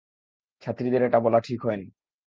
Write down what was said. ছাত্রীদের এটা বলা ঠিক হয় নি।